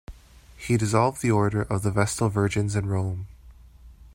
He dissolved the order of the Vestal Virgins in Rome.